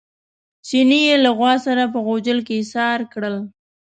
چیني یې له غوا سره په غوجل کې ایسار کړل.